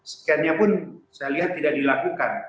scan nya pun saya lihat tidak dilakukan